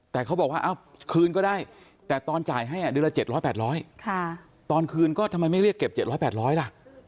แต่เขาบอกว่าคืนก็ได้แต่ตอนจ่ายให้เดือนละ๗๐๐๘๐๐ตอนคืนก็ทำไมไม่เรียกเก็บ๗๐๐๘๐๐ล่ะ